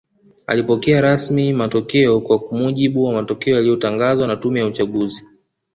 Alipokea rasmi matokeo Kwa mujibu wa matokeo yaliyotangazwa na tume ya uchaguzi